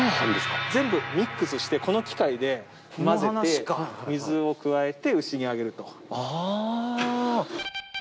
全部ミックスしてこの機械で混ぜて水を加えて牛にあげると。